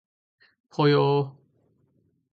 ぽよー